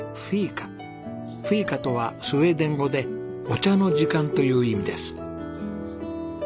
フィーカとはスウェーデン語で「お茶の時間」という意味です。